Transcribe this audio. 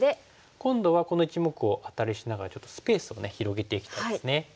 今度はこの１目をアタリしながらちょっとスペースを広げていきたいですね。